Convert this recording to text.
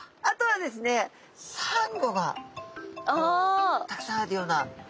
あとはですねサンゴがたくさんあるような。